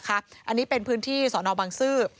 อันนี้เป็นพื้นที่สอนอบังซื้อ